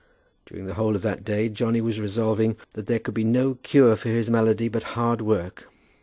During the whole of that day Johnny was resolving that there could be no cure for his malady but hard work.